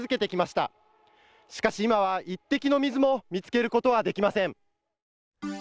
しかし今は一滴の水も見つけることはできません。